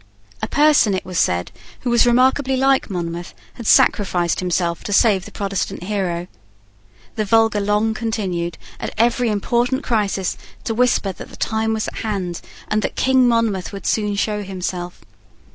A person, it was said, who was remarkably like Monmouth, had sacrificed himself to save the Protestant hero. The vulgar long continued, at every important crisis, to whisper that the time was at hand, and that King Monmouth would soon show himself.